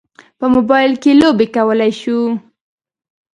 په موبایل کې لوبې کولی شو.